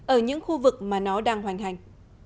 ở những khu vực mà nó đang hoành hành